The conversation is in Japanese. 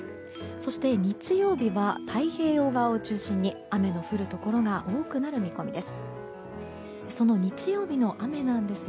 そして日曜日は太平洋側を中心に雨の降るところが多くなる見込みです。